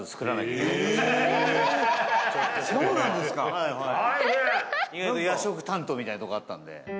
意外と夜食担当みたいなところあったんで。